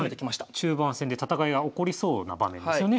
中盤戦で戦いが起こりそうな場面ですよね。